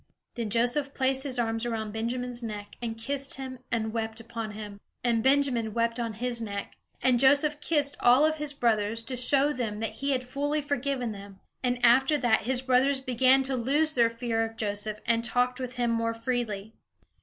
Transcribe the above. Then Joseph placed his arms around Benjamin's neck, and kissed him, and wept upon him. And Benjamin wept on his neck. And Joseph kissed all his brothers, to show them that he had fully forgiven them; and after that his brothers began to lose their fear of Joseph and talked with him more freely.